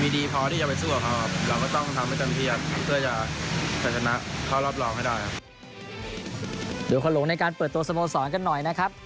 ดูควันหลงในการเปิดตัวสโมสรกันหน่อยนะครับ